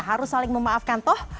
harus saling memaafkan toh